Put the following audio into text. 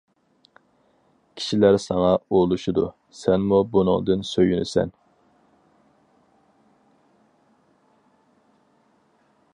كىشىلەر ساڭا ئولىشىدۇ، سەنمۇ بۇنىڭدىن سۆيۈنىسەن.